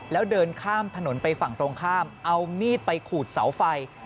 แล้วเดินข้ามถนนไปฝั่งตรงข้ามเอามีดไปขูดเสาไฟ